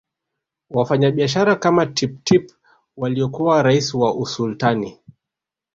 Wafanyabiashara kama Tipp Tip waliokuwa raia wa Usultani